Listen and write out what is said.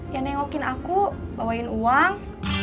ya nengokin aku bawain uang